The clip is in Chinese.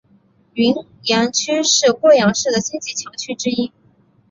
云岩区是贵阳市的经济强区之一。